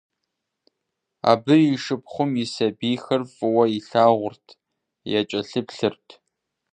Абы и шыпхъум и сабийхэр фӀыуэ илъагъурт, якӀэлъыплъырт.